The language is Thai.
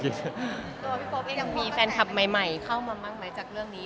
ตัวพี่โป๊ปนี่ยังมีแฟนคลับใหม่เข้ามาบ้างไหมจากเรื่องนี้